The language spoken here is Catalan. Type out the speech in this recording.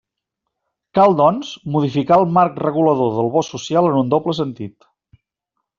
Cal, doncs, modificar el marc regulador del bo social en un doble sentit.